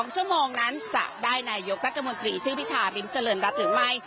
๒ชั่วโมงนั้นจะได้นายกรัฐมนตรีชื่อพิธาริมเจริญรัฐหรือไม่